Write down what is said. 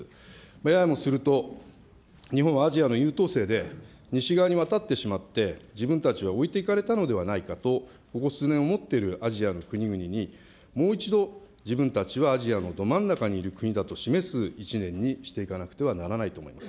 ややもすると、日本はアジアの優等生で、西側に渡ってしまって自分たちは置いていかれたのではないかと、ここ数年、思っているアジアの国々に、もう一度、自分たちはアジアのど真ん中にいる国だと示す１年にしていかなくてはならないと思います。